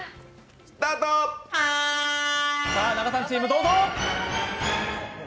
仲さんチーム、どうぞ！